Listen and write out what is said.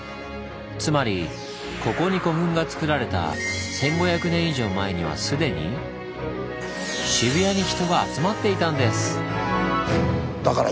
つまりここに古墳がつくられた１，５００年以上前には既に渋谷に人が集まっていたんです！